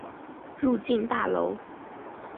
入境大楼